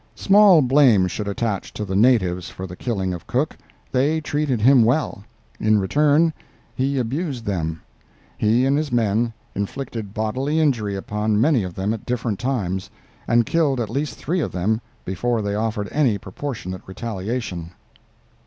Small blame should attach to the natives for the killing of Cook. They treated him well. In return, he abused them. He and his men inflicted bodily injury upon many of them at different times, and killed at least three of them before they offered any proportionate retaliation.